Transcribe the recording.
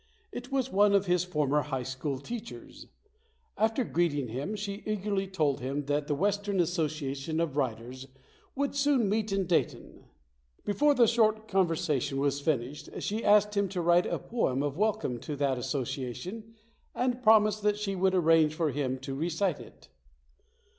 It was one of his former high school teachers. After greeting him, she 42 ] UNSUNG HEROES eagerly told him that the Western Association of Writers would soon meet in Dayton. Before the short conversation was finished, she asked him to write a poem of welcome to that association and promised that she would arrange for him to re cite it.